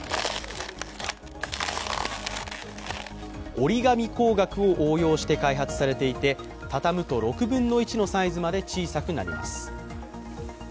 折り紙工学を応用して開発されていて畳むと６分の１のサイズまで小さくなります。